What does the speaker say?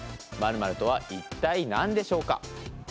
○○とは一体何でしょうか。